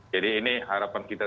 jadi ini harapan kita